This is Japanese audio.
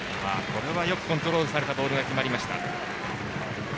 これはよくコントロールされたボールが決まりました。